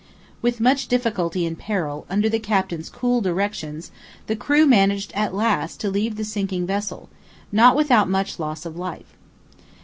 With much difficulty and peril, under the captain's cool directions, the crew managed at last to leave the sinking vessel, not without much loss of life.